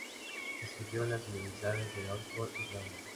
Estudió en las universidades de Oxford y Glasgow.